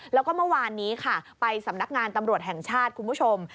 แล้วก็เมื่อวานนี้ค่ะไปสำนักงานตำรวจแห่งชาติคุณผู้ชม